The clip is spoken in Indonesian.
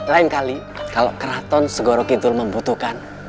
lain kali kalau keraton segoro kidul membutuhkan